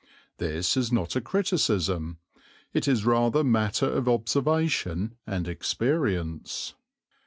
This is not criticism, it is rather matter of observation and experience.